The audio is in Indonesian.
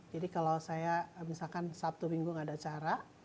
jadi kalau saya misalkan sabtu minggu nggak ada acara